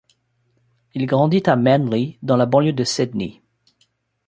Il grandit à Manly dans la banlieue de Sydney.